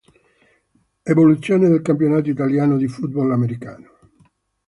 Evoluzione del campionato italiano di football americano